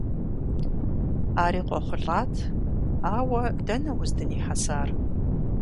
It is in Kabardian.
Ари къохъулӀат, ауэ дэнэ уздынихьэсар?